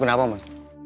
lo kenapa mon